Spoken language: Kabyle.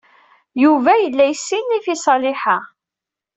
Yuba yella yessinif i Ṣaliḥa.